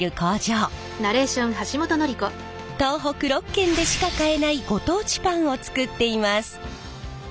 東北６県でしか買えないご当地パンを作っています。